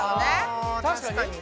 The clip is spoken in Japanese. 確かに。